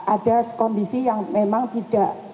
ada kondisi yang memang tidak